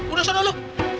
udah sana lu